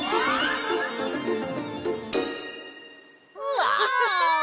うわ！